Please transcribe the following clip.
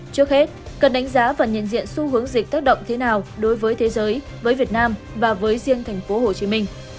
trước hết cần đánh giá và nhận diện xu hướng dịch tác động thế nào đối với thế giới với việt nam và với riêng tp hcm